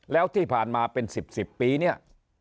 แล้วที่ผ่านมาเป็น๑๐๑๐ปี